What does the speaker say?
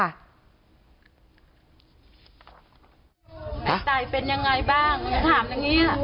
ตายเป็นยังไงบ้างถามตรงนี้อ่ะ